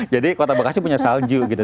jadi kota bekasi punya salju gitu